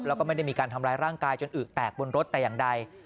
แล้วก็ไม่ได้มีการทำร้ายร่างกายจนอึกแตกบนรถแต่อย่างใด